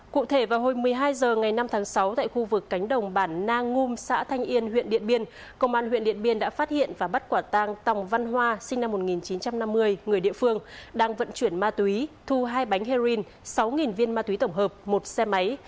cụ thể vào hồi một mươi hai h ngày năm tháng sáu tại khu vực cánh đồng bản nang ngum xã thanh yên huyện điện biên công an huyện điện biên đã phát hiện và bắt quả tang tòng văn hoa sinh năm một nghìn chín trăm năm mươi người địa phương đang vận chuyển ma túy thu hai bánh heroin sáu viên ma túy tổng hợp một xe máy